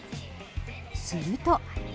すると。